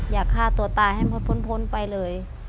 อยากฆ่าตัวตายให้พ้นไปเลย